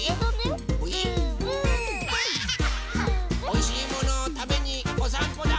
おいしいものをたべにおさんぽだ。